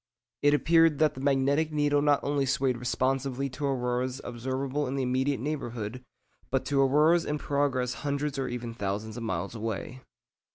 It appeared that the magnetic needle not only swayed responsively to auroras observable in the immediate neighbourhood, but to auroras in progress hundreds or even thousands of miles away.